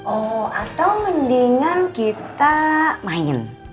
oh atau mendingan kita main